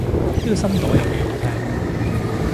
呢個新朵又幾好聽